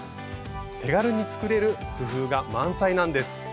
手軽に作れる工夫が満載なんです。